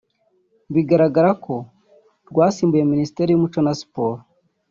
bigaragara ko rwasimbuye Minisiteri y’Umuco na Siporo